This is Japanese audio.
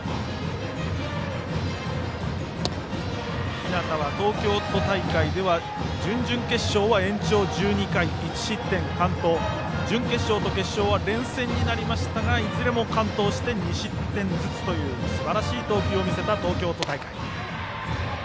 日當は東京都大会では準々決勝は延長１２回１失点完投準決勝と決勝は連戦になりましたがいずれも完投して２失点ずつというすばらしい投球を見せた東京都大会。